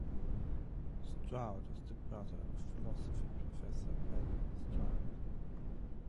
Stroud was the brother of philosophy professor Barry Stroud.